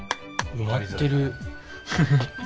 埋まってる。